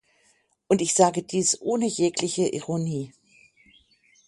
Und ich sage dies ohne jegliche Ironie.